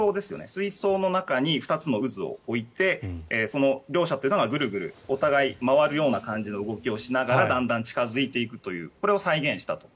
水槽の中に２つの渦を置いてその両者というのがグルグルお互い回るような動きをしながらだんだん近付いていくというこれを再現したと。